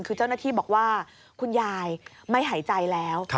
คือเจ้าหน้าที่บอกว่าคุณยายไม่หายใจแล้ว